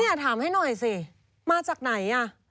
ถามให้หน่อยสิมาจากไหนอ่ะ